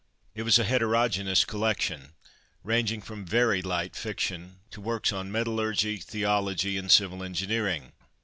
It was a heterogenous collection, ranging from very light fiction to works on metallurgy, theology, and civil engineering.